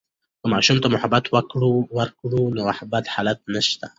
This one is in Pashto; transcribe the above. که ماشوم ته محبت وکړو، نو بد حالات نشته.